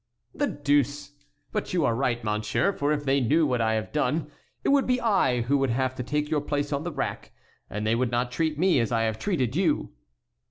"The deuce! but you are right, monsieur, for if they knew what I have done it would be I who would have to take your place on the rack, and they would not treat me as I have treated you."